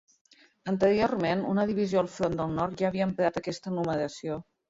Anteriorment una divisió al front del Nord ja havia emprat aquesta numeració.